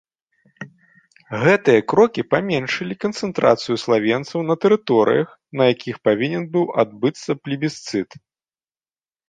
Гэтыя крокі паменшылі канцэнтрацыю славенцаў на тэрыторыях, на якіх павінен быў адбыцца плебісцыт.